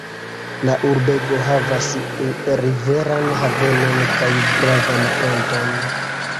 La urbego havas riveran havenon kaj gravan ponton.